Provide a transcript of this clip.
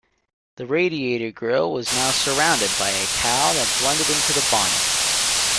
The radiator grille was now surrounded by a cowl that blended into the bonnet.